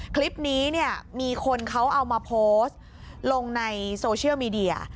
คลิปนี้เนี่ยมีคนเขาเอามาโพสต์ลงในโซเชียลมีเดีย